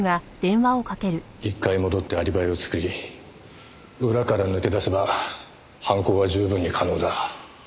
１回戻ってアリバイを作り裏から抜け出せば犯行は十分に可能だ。